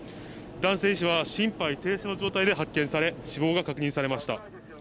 男性医師は心肺停止の状態で確認され死亡が確認されました。